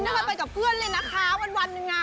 คุณไม่เคยไปกับเพื่อนเลยนะคะวันนึงนะ